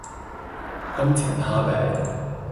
金錢蝦餅